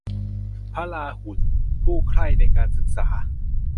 พระราหุล ผู้ใคร่ในการศึกษา